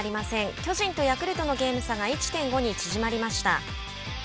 巨人とヤクルトのゲーム差が１．５に縮まりました。